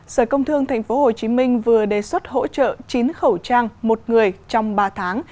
sở công thương tp hcm vừa đề xuất hỗ trợ chín khẩu trang một người trong ba tháng